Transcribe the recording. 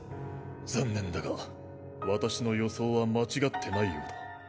残念だが私の予想は間違ってないようだ。